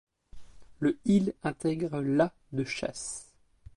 Le il intègre la de chasse.